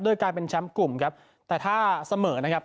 การเป็นแชมป์กลุ่มครับแต่ถ้าเสมอนะครับ